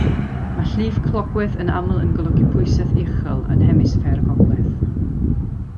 Mae llif clocwedd yn aml yn golygu pwysedd uchel yn Hemisffer y Gogledd.